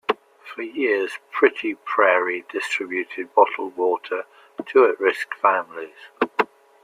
For years, Pretty Prairie distributed bottled water to at-risk families.